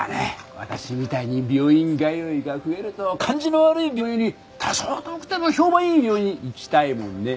私みたいに病院通いが増えると感じの悪い病院より多少遠くても評判いい病院に行きたいもんね。